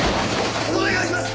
お願いします！